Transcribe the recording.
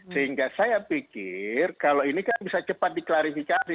sehingga saya pikir kalau ini kan bisa cepat diklarifikasi